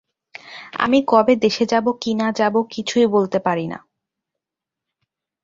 আমি কবে দেশে যাব, কি না যাব, কিছুই বলতে পারি না।